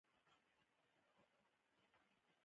د افغانستان ژبني ارزښتونه تاریخي دي.